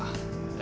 え？